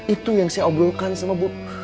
itu yang saya obrolkan sama bu